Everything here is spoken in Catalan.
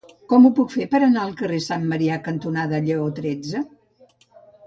Com ho puc fer per anar al carrer Sant Marià cantonada Lleó tretze?